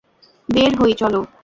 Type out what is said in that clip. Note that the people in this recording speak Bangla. বের হই চলো!